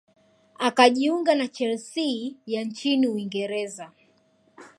akajiunga na chelsea ya nchini uingereza